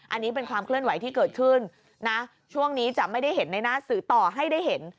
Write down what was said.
อันนี้เป็นความเคลื่อนไหวที่เกิดขึ้นนะช่วงนี้จะไม่ได้เห็นในหน้าสื่อต่อให้ได้เห็น